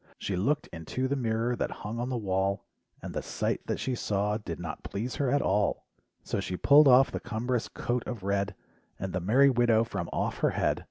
She iooked into the mirror that hung on the wall And the sight that she saw did not please her at all, So she pulled off the cumberous coat of red, And the "merry widow" from off her head.